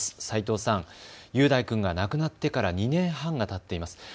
齋藤さん、雄大君が亡くなってから２年半がたっています。